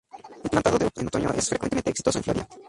El plantado en otoño es frecuentemente exitoso en Florida.